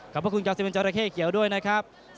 ขอบคุณกาซิเมนจอราเข้เขียวด้วยนะครับ